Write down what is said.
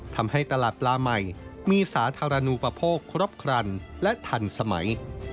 ทำให้ตลาดปลาใหม่มีสาธารณูปโภคครบครันและทันสมัย